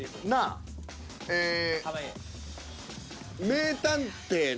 「名探偵の」。